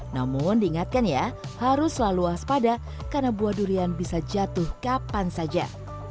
namun diingatkan ya harus selalu waspada karena buah durian bisa jatuh kapan saja